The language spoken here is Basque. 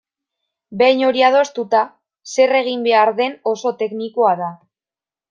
Behin hori adostuta, zer egin behar den oso teknikoa da.